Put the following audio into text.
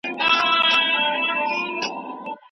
د پاروونکو کسانو مخنيوی له کوره څنګه کيږي؟